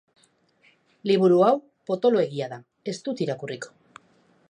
Liburu hau potoloegia da, ez dut irakurriko.